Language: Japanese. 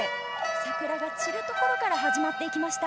桜が散るところから始まって行きました。